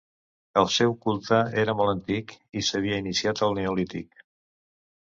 El seu culte, era molt antic, i s'havia iniciat al neolític.